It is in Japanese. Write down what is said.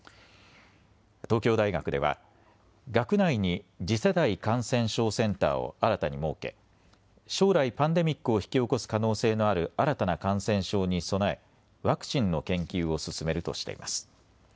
東京大学では、学内に次世代感染症センターを新たに設け将来パンデミックを引き起こす可能性のある新たな感染症に備えワクチンの研究を進めるとしています。